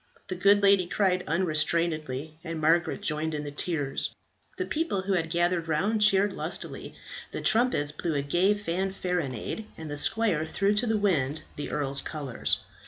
The good lady cried unrestrainedly, and Margaret joined in her tears. The people who had gathered round cheered lustily; the trumpets blew a gay fanfaronade; and the squire threw to the wind the earl's colours.